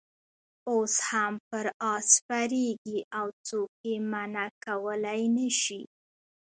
اوس هم پر آس سپرېږي او څوک یې منع کولای نه شي.